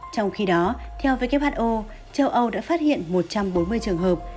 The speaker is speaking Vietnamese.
trong khi đó theo who châu âu đã phát hiện một trăm bốn mươi trường hợp